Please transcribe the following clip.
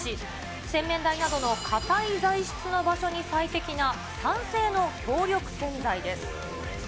洗面台などの硬い材質の場所に最適な、酸性の強力洗剤です。